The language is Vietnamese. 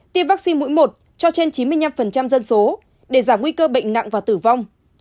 tiêm vaccine mũi một cho trên chín mươi năm dân số để giảm nguy cơ bệnh nặng và tử vong